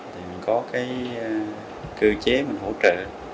thì mình có cái cơ chế mình hỗ trợ